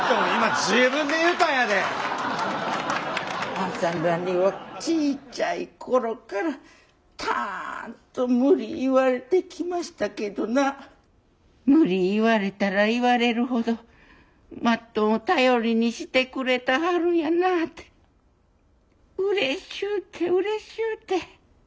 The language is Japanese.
あんさんらにはちいちゃい頃からたんと無理言われてきましたけどな無理言われたら言われるほどマットンを頼りにしてくれてはるんやなあてうれしゅうてうれしゅうて。